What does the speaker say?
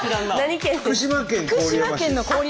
福島県郡山市です。